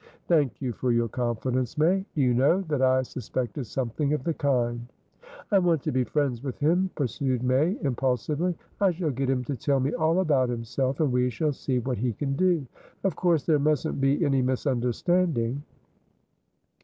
"Thank you for your confidence, May. Do you know that I suspected something of the kind." "I want to be friends with him," pursued May, impulsively. "I shall get him to tell me all about himself, and we shall see what he can do. Of course there mustn't be any misunderstanding."